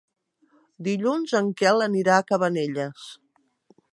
Dilluns en Quel anirà a Cabanelles.